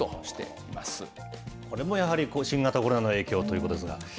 これもやはり新型コロナの影響ということですか。